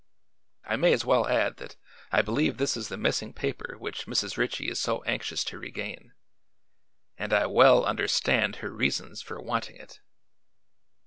I may as well add that I believe this is the missing paper which Mrs. Ritchie is so anxious to regain and I well understand her reasons for wanting it."